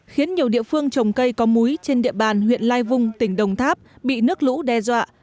khiến nhiều địa phương trồng cây có múi trên địa bàn huyện lai vung tỉnh đồng tháp bị nước lũ đe dọa